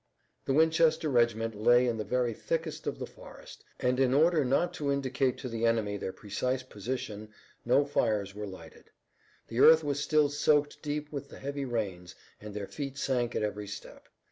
The Winchester regiment lay in the very thickest of the forest and in order not to indicate to the enemy their precise position no fires were lighted. The earth was still soaked deep with the heavy rains and their feet sank at every step.